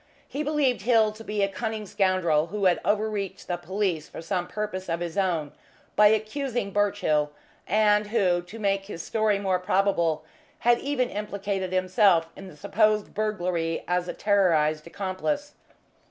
He believed Hill to be a cunning scoundrel who had overreached the police for some purpose of his own by accusing Birchill, and who, to make his story more probable, had even implicated himself in the supposed burglary as a terrorised accomplice.